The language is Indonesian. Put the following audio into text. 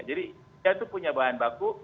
jadi dia itu punya bahan baku